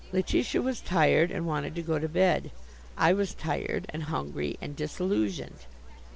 Letitia was tired and wanted to go to bed. I was tired and hungry and disillusioned.